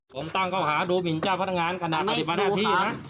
ผมตั้งเข้าหาดูหมินเจ้าพนักงานขณะปฏิบัติหน้าที่นะ